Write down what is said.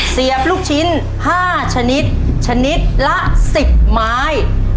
เสียบลูกชิ้น๕ชนิดชนิดละ๑๐ไม้